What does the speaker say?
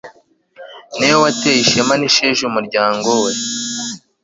ni we wateye ishema n'isheja umuryango we